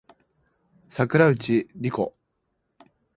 桜内梨子